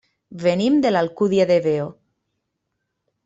Venim de l'Alcúdia de Veo.